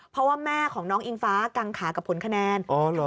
เพราะว่าแม่ของน้องอิงฟ้ากังขากับผลคะแนน